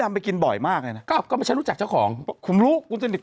ไปกินบ่อยมากเลยนะอ้าวก็ไม่ใช่รู้จักเจ้าของคุณรู้คุณสนิท